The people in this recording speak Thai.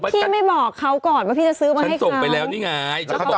พี่ไม่บอกเค้าก่อนว่าพี่จะซื้อมาให้เค้า